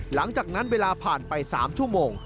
หลังจากนั้นเวลาผ่านไป๓ชั่วโมง